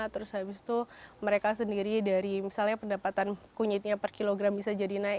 terus habis itu mereka sendiri dari misalnya pendapatan kunyitnya per kilogram bisa jadi naik